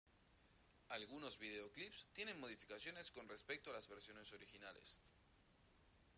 Algunos videoclips tienen modificaciones con respecto a las versiones originales.